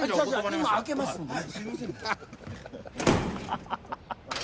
今開けますんでね